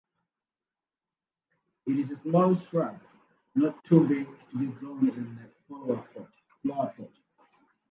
It is a small shrub, not too big to be grown in a flowerpot.